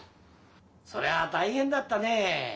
そりゃ大変だったね。